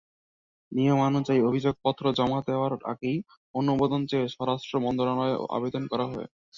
নিয়মানুযায়ী অভিযোগপত্র জমা দেওয়ার আগেই অনুমোদন চেয়ে স্বরাষ্ট্র মন্ত্রণালয়ে আবেদন করা হয়।